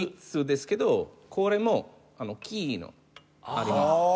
３つですけどこれもキーのあります。